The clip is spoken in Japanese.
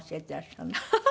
ハハハ。